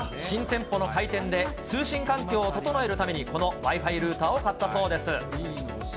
新店舗の開店で、通信環境を整えるために、このわいふぁいルーターを買ったそうです。